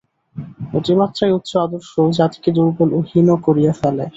অতিমাত্রায় উচ্চ আদর্শ জাতিকে দুর্বল ও হীন করিয়া ফেলে।